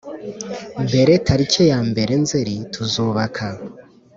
mbere tariki ya mbere Nzerituzubaka